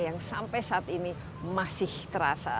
yang sampai saat ini masih terasa